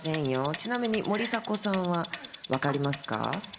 ちなみに森迫さんはわかりますか？